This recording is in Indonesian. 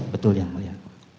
betul yang mulia